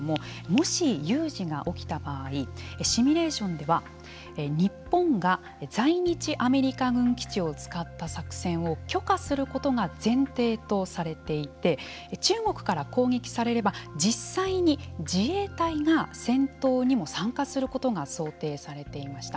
もし有事が起きた場合シミュレーションでは日本が在日アメリカ軍基地を使った作戦を許可することが前提とされていて中国から攻撃されれば実際に、自衛隊が戦闘にも参加することが想定されていました。